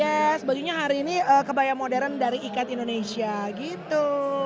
yes bajunya hari ini kebaya modern dari ikat indonesia gitu